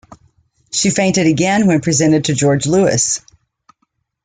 She fainted again when presented to George Louis.